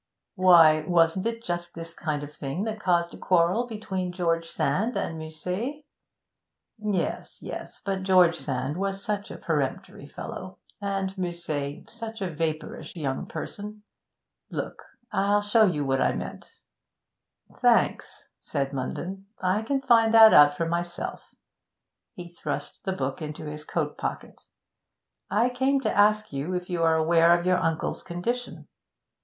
'Why, wasn't it just this kind of thing that caused a quarrel between George Sand and Musset?' 'Yes, yes; but George Sand was such a peremptory fellow, and Musset such a vapourish young person. Look! I'll show you what I meant.' 'Thanks,' said Munden, 'I can find that out for myself.' He thrust the book into his coat pocket. 'I came to ask you if you are aware of your uncle's condition.'